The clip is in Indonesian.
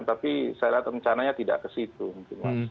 tapi saya lihat rencananya tidak kesini